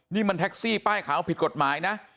นี่มันแท็กซี่ป้ายขาวผิดกฎหมายนะ